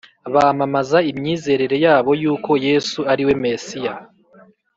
bamamaza imyizerere yabo y uko Yesu ari we Mesiya